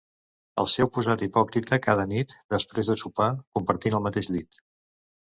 El seu posat hipòcrita cada nit, després de sopar, compartint el mateix llit.